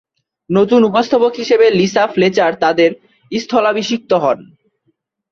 নতুন উপস্থাপক হিসেবে লিসা ফ্লেচার তাদের স্থলাভিষিক্ত হন।